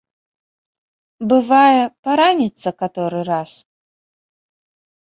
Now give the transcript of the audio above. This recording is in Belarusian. Бывае, параніцца каторы раз.